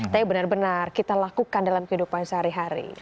tapi benar benar kita lakukan dalam kehidupan sehari hari